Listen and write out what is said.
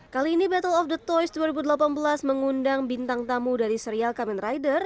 kali ini battle of the toys dua ribu delapan belas mengundang bintang tamu dari serial common rider